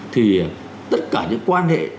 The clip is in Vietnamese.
thì tất cả những quan hệ